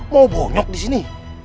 mau bonyok di sini